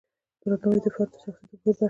درناوی د فرد د شخصیت یوه مهمه برخه ده.